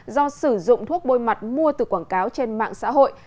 do sử dụng thuốc bôi mặt mua từ quảng cáo trên mạng xã hội